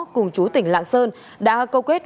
cùng chú tỉnh lạng sơn đã câu quyết